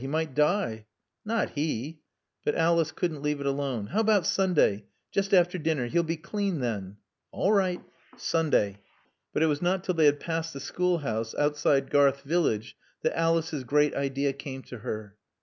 He might die." "Not he." But Alice couldn't leave it alone. "How about Sunday? Just after dinner? He'll be clean then." "All right. Sunday." But it was not till they had passed the schoolhouse outside Garth village that Alice's great idea came to her.